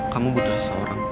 kamu butuh seseorang